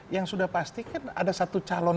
yang sudah pasti kan ada satu calon